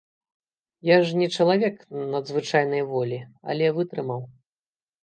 Я ж не чалавек надзвычайнай волі, але вытрымаў.